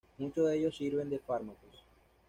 Muchos de ellos sirven de fármacos.